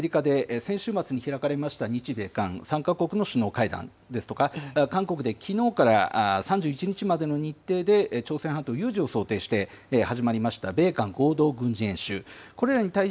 対外向けには、アメリカで先週末に開かれました日米韓の３か国の首脳会談ですとか、韓国できのうから３１日までの日程で朝鮮半島有事を想定して、始まりました米韓合同軍事演習。